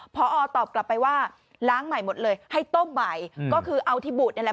พอตอบกลับไปว่าล้างใหม่หมดเลยให้ต้มใหม่ก็คือเอาที่บูดนี่แหละ